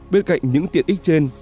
bên cạnh những tiện ích trên